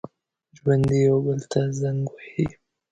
ژوندي یو بل ته زنګ وهي